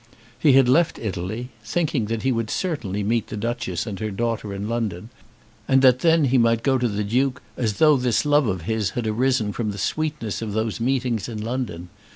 He had left Italy thinking that he would certainly meet the Duchess and her daughter in London, and that then he might go to the Duke as though this love of his had arisen from the sweetness of those meetings in London.